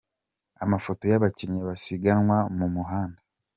Amafoto y’abakinnyi basiganwa mu muhanda